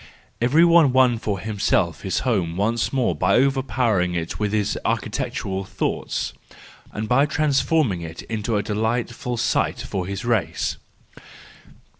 Everyone 15 226 THE JOYFUL WISDOM, IV won for himself his home once more by over¬ powering it with his architectural thoughts, and by transforming it into a delightful sight for his race.